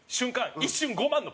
一瞬５万の